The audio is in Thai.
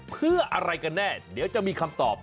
เพื่ออะไรกันแน่เดี๋ยวจะมีคำตอบ